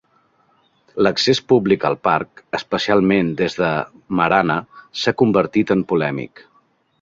L"accés públic al parc, especialment des de Marana, s"ha convertit en polèmic.